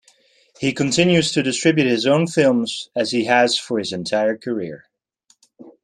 He continues to distribute his own films, as he has for his entire career.